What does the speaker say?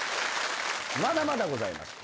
まだまだございます。